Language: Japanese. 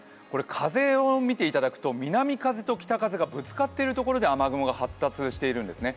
風を見ていただくと、南風と北風がぶつかっているところで雨雲が発達しているんですね。